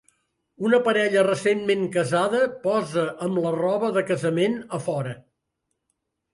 Una parella recentment casada posa amb la roba de casament a fora.